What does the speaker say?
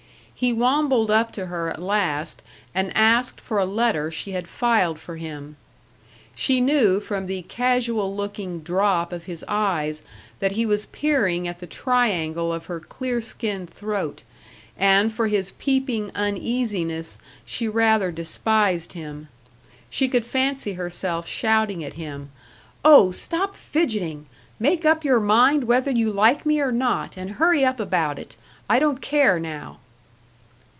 He wambled up to her at last and asked for a letter she had filed for him. She knew from the casual looking drop of his eyes that he was peering at the triangle of her clear skinned throat, and for his peeping uneasiness she rather despised him. She could fancy herself shouting at him, "Oh, stop fidgeting! Make up your mind whether you like me or not, and hurry up about it. I don't care now."